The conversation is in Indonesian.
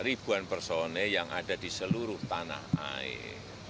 ribuan personil yang ada di seluruh tanah air